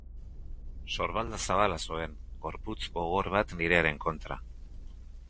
Sorbalda zabala zuen, gorputz gogor bat nirearen kontra.